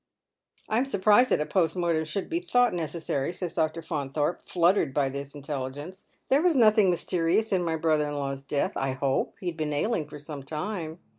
" I am surprised that a post mortem should be thought necessary," sajs Dr. Faunthoi pe, fluttered by this intelligence. " There was nothing mysterious in my brother in law's death, I hope. He had been ailing for some time."